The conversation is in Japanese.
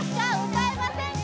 歌えませんか？